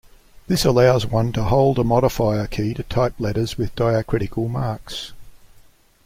This allows one to hold a modifier key to type letters with diacritical marks.